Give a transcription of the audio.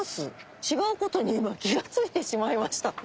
違うことに今気が付いてしまいました。